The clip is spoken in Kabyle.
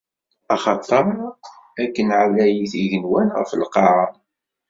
Axaṭer, akken ɛlayit yigenwan ɣef lqaɛa.